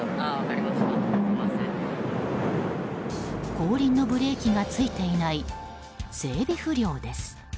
後輪のブレーキがついていない整備不良です。